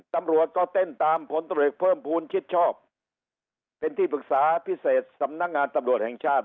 ตำรวจก็เต้นตามผลตรวจเอกเพิ่มภูมิชิดชอบเป็นที่ปรึกษาพิเศษสำนักงานตำรวจแห่งชาติ